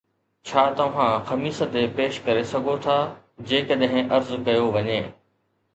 ڇا توھان خميس تي پيش ڪري سگھوٿا جيڪڏھن عرض ڪيو وڃي؟